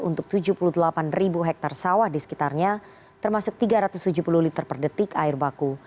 untuk tujuh puluh delapan ribu hektare sawah di sekitarnya termasuk tiga ratus tujuh puluh liter per detik air baku